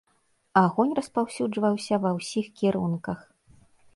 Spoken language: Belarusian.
Агонь распаўсюджваўся ва ўсіх кірунках.